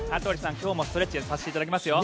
今日もストレッチをさせていただきますよ。